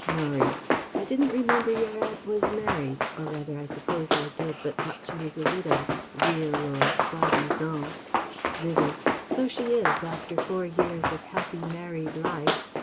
Norie: "I didn't remember your aunt was married ... or rather I suppose I did, but thought she was a widow, real or soi disant..." Vivie: "So she is, after four years of happy married life!